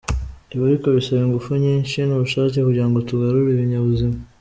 Ibi ariko bisaba ingufu nyinshi n’ubushake kugira ngo tugarure ibinyabuzima.